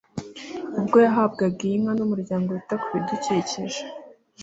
Ubwo yahabwaga iyi Nka n'Umuryango wita ku bidukikije